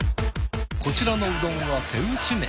こちらのうどんは手打ち麺。